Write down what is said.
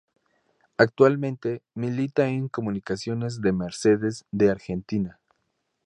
Actualmente milita en Comunicaciones de Mercedes de Argentina.